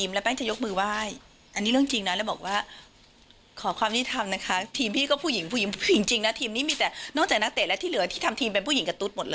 เมื่อสายหน่อยนะมันแรง